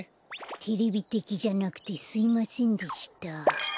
テレビてきじゃなくてすいませんでした。